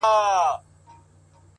زما د ستړي ژوند مزل ژاړي” منزل ژاړي”